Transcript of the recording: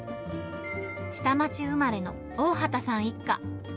下町生まれの大畠さん一家。